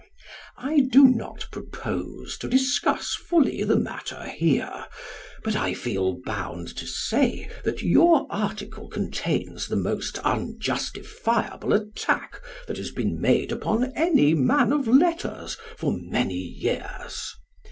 I do not propose to discuss fully the matter here, but I feel bound to say that your article contains the most unjustifiable attack that has been made upon any man of letters for many years.